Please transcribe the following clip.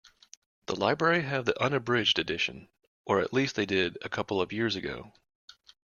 The library have the unabridged edition, or at least they did a couple of years ago.